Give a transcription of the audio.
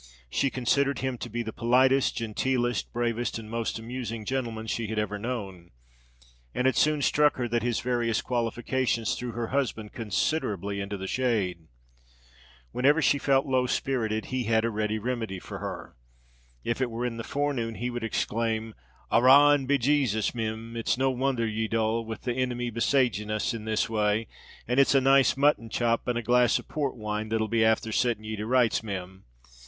She considered him to be the politest, genteelest, bravest, and most amusing gentleman she had ever known; and it soon struck her that his various qualifications threw her husband considerably into the shade. Whenever she felt low spirited, he had a ready remedy for her. If it were in the forenoon, he would exclaim, "Arrah and be Jasus, Mim, it's no wonther ye're dull, with the inimy besaging us in this way: and it's a nice mutton chop and a glass of Port wine that'll be afther sitting ye to rights, Mim."